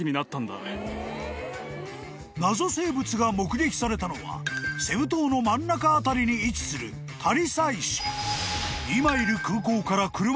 ［謎生物が目撃されたのはセブ島の真ん中あたりに位置するタリサイ市］